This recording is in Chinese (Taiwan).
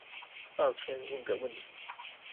抱歉問個問題